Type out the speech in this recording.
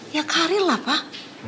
ya karir lah pak